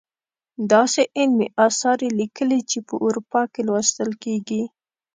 داسې علمي اثار یې لیکلي چې په اروپا کې لوستل کیږي.